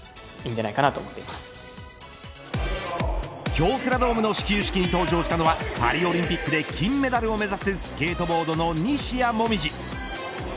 京セラドームの始球式に登場したのはパリオリンピックで金メダルを目指すスケートボードの西矢椛。